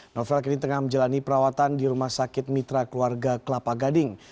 novel kini tengah menjalani perawatan di rumah sakit mitra keluarga kelapa gading